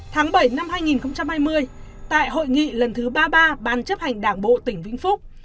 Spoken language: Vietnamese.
tháng bảy năm hai nghìn hai mươi tại hội nghị lần thứ ba mươi ba ban chấp hành đảng bộ tỉnh vĩnh phúc